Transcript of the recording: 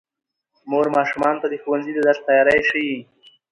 مور ماشومانو ته د ښوونځي د درس تیاری ښيي